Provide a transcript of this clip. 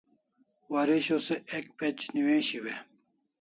Waresho se ek page newishiu e?